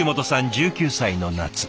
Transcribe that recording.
１９歳の夏。